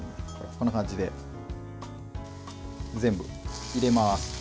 こんな感じで、全部入れます。